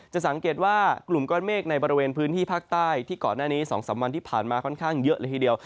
สังเกตว่ากลุ่มก้อนเมฆในบริเวณพื้นที่ภาคใต้ที่ก่อนหน้านี้๒๓วันที่ผ่านมาค่อนข้างเยอะเลยทีเดียว